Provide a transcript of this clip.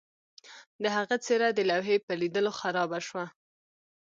د هغه څیره د لوحې په لیدلو خرابه شوه